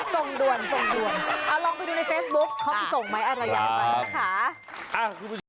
ส่งด่วนเอาลองไปดูในเฟซบุ๊กเขาไปส่งไหมอะไรอย่างกว่านั้นนะคะ